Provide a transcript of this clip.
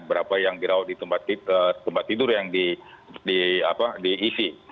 berapa yang dirawat di tempat tidur yang diisi